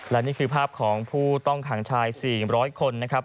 และนี่คือภาพของผู้ต้องขังชาย๔๐๐คนนะครับ